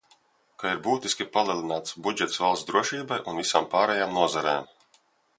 Ka ir būtiski palielināts budžets valsts drošībai un visām pārējām nozarēm.